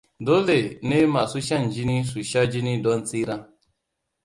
Dole ne Masu Shan Jini su sha jini don tsira.